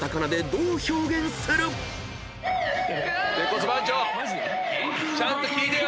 ちゃんと聞いてよ。